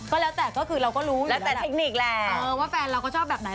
ก็แล้วแต่ก็คือเราก็รู้แล้วแต่เทคนิคแหละว่าแฟนเราก็ชอบแบบไหน